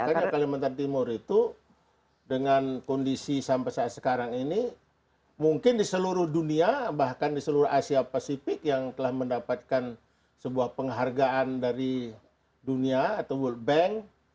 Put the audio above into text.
makanya kalimantan timur itu dengan kondisi sampai saat sekarang ini mungkin di seluruh dunia bahkan di seluruh asia pasifik yang telah mendapatkan sebuah penghargaan dari dunia atau world bank